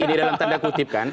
ini dalam tanda kutip kan